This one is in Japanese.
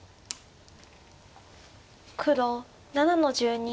黒７の十二。